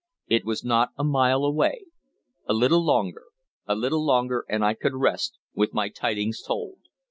It was not a mile away; a little longer, a little longer and I could rest, with my tidings told.